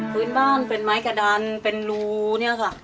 พื้นบ้านเป็นไม้กระดานเป็นรูเนี่ยค่ะ